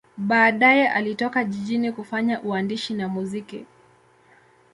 Baadaye alitoka jijini kufanya uandishi na muziki.